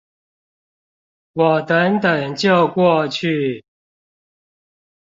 我等等就過去